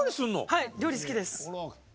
はい料理好きです！